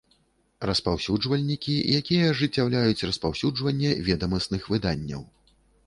Распаўсюджвальнiкi, якiя ажыццяўляюць распаўсюджванне ведамасных выданняў.